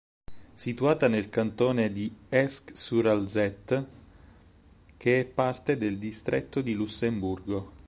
Situata nel cantone di Esch-sur-Alzette, che è parte del distretto di Lussemburgo.